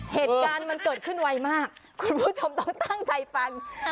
เหตุการณ์มันเกิดขึ้นไวมากคุณผู้ชมต้องตั้งใจฟัน